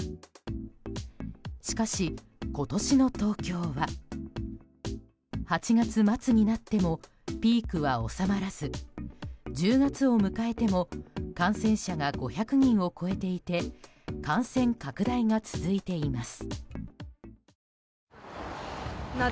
しかし、今年の東京は８月末になってもピークは収まらず１０月を迎えても感染者が５００人を超えていて感染拡大が続いています。